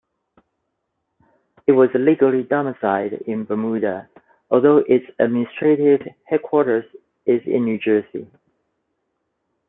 It was legally domiciled in Bermuda, although its administrative headquarters is in New Jersey.